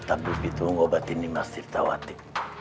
tapi begitu ngobatin ini mas tirtawati